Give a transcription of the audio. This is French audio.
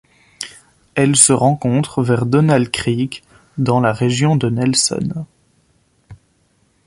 Elle se rencontre vers Donald Creek dans la région de Nelson.